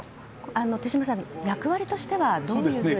手嶋さん、役割としてはどういうふうに？